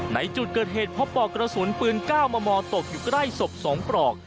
ในจุดเกิดเหตุพบปลอกกระสุนปืน๙มมตกอยู่ใกล้ศพ๒ปลอก